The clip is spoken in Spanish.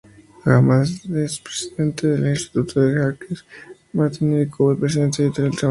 Además, es presidente del Instituto Jacques Maritain de Cuba y presidente de Editorial Cubana.